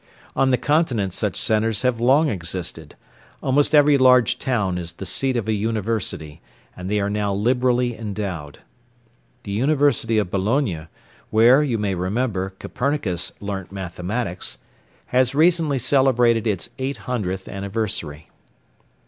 On the Continent such centres have long existed; almost every large town is the seat of a University, and they are now liberally endowed. The University of Bologna (where, you may remember, Copernicus learnt mathematics) has recently celebrated its 800th anniversary.